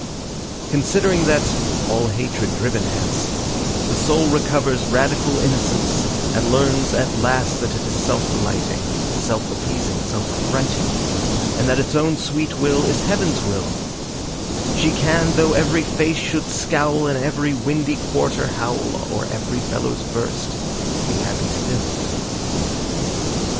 Considering that, all hatred driven hence, The soul recovers radical innocence And learns at last that it is self delighting, Self appeasing, self affrighting, And that its own sweet will is heaven's will; She can, though every face should scowl And every windy quarter howl Or every bellows burst, be happy still.